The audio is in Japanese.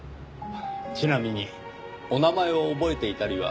ちなみにお名前を覚えていたりは。